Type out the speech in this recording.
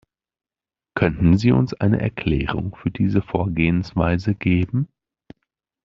Könnten Sie uns eine Erklärung für diese Vorgehensweise geben?